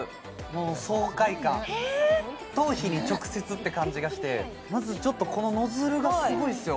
もう爽快感頭皮に直接って感じがしてまずちょっとこのノズルがすごいっすよ